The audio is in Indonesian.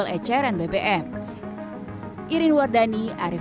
bagaimana subsidi ini bisa disalurkan tepat sasaran ya